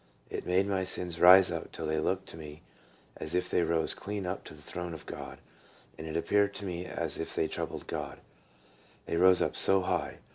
It made my sins rise up till they looked to me as if they rose clean up to the throne of God, and it appeared to me as if they troubled God, they rose up so' high.